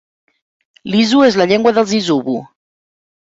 L'isu és la llengua dels isubu.